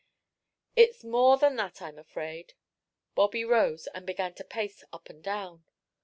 "It's more than that, I'm afraid." Bobby rose and began to pace up and down.